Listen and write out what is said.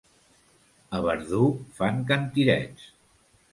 A Verdú fan cantirets.